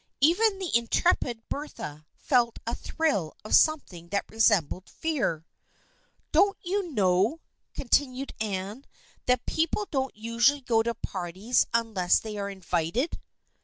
Even the intrepid Bertha felt a thrill of something that resembled fear. " Don't you know," continued Anne, " that peo ple don't usually go to parties unless they are in vited?"